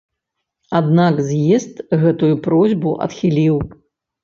Аднак з'езд гэтую просьбу адхіліў.